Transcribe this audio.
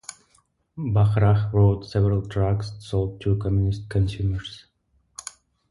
Bachrach wrote several tracts sold to Communist consumers.